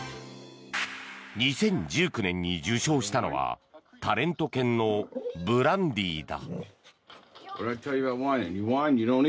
２０１９年に受賞したのはタレント犬のブランディだ。